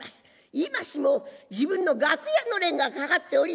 今しも自分の楽屋のれんが掛かっております。